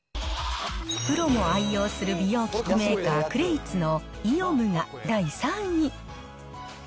プロも愛用する美容機器メーカー、クレイツのＩＯ霧が第３位。